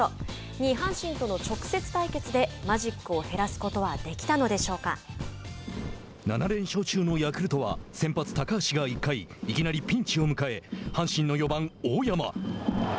２位、阪神との直接対決でマジックを減らすことは７連勝中のヤクルトは先発高橋が１回いきなりピンチを迎え阪神の４番大山。